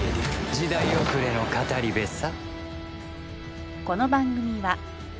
時代遅れの語り部さ。